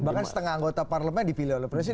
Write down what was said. bahkan setengah anggota parlemen dipilih oleh presiden